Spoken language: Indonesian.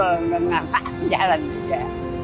dan mengapa jalan juga